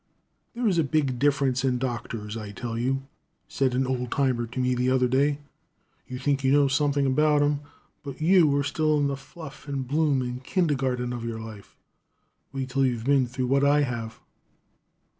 "There's a big difference in doctors, I tell you," said an old timer to me the other day. "You think you know something about 'em, but you are still in the fluff and bloom, and kindergarten of life, Wait till you've been through what I have."